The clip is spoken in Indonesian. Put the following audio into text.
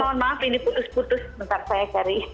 ini putus putus nanti saya cari